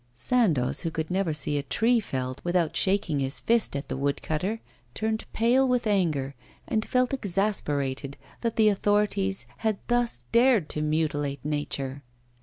Sandoz, who could never see a tree felled without shaking his fist at the wood cutter, turned pale with anger, and felt exasperated that the authorities had thus dared to mutilate nature.